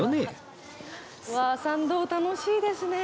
うわー参道楽しいですね。